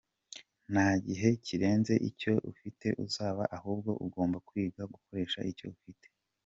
Nta gihe kirenze icyo ufite uzabona ahubwo ugomba kwiga gukoresha icyo ufite.